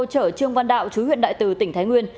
chở trường văn đạo trú huyện đại từ tỉnh thái nguyên